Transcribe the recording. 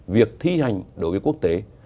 việc thi hành đối với quốc tế